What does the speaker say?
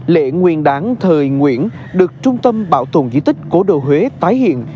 lễ nguyên đán thời nguyễn được trung tâm bảo tồn di tích cổ đồ huế tái hiện